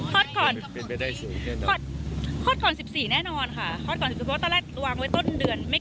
ถ้าดูแทนแล้วดูผู้หญิงจะคลอดก่อนวันเลือกตั้งไหมหรืออะไรไงค่ะนี้